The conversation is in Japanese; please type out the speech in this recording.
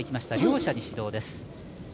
両者に指導です。